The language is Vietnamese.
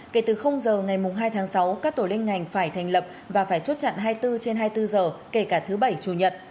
kể từ giờ ngày hai tháng sáu các tổ liên ngành phải thành lập và phải chốt chặn hai mươi bốn trên hai mươi bốn giờ kể cả thứ bảy chủ nhật